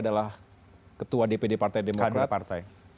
adalah ketua dpd partai demokrat